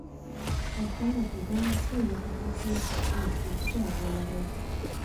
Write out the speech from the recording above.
او څنګه چې ځان ښیو هغسې اوسو ډاډ ولرئ.